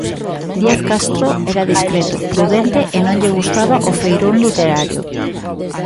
Díaz Castro era discreto, prudente e non lle gustaba o feirón literario.